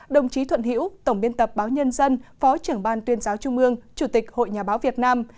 đồng chí thuận hiễu tổng biên tập báo nhân dân phó trưởng ban tuyên giáo trung ương chủ tịch hội nhà báo việt nam